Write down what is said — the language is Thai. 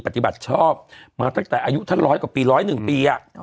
ปฏิบัติชอบมาตั้งแต่อายุท่านร้อยกว่าปีร้อยหนึ่งปีอ่ะอ๋อ